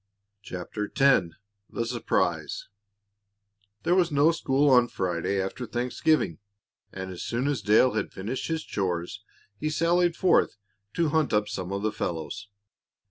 CHAPTER X THE SURPRISE There was no school on the Friday after Thanksgiving, and as soon as Dale had finished his chores he sallied forth to hunt up some of the fellows.